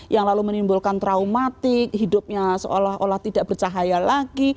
yang lalu menimbulkan traumatik hidupnya seolah olah tidak bercahaya lagi